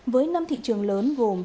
với năm thị trường lớn gồm